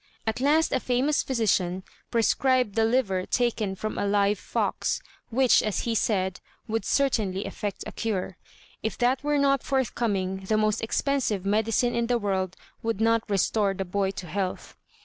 At last a famous physician prescribed the liver taken from a live fox, which, as he said, would certainly effect a cure. If that were not forthcoming, the most expensive medicine in the world would not restore the boy to health.